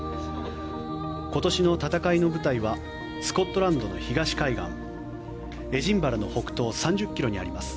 今年の戦いの舞台はスコットランドの東海岸エディンバラの北東３０ｋｍにあります